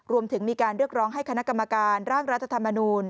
รวมถึงมีการเรียกร้องให้คณะกรรมการร่างรัฐธรรมนูล